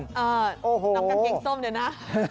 น้องกางเกงส้มเนี่ยนะ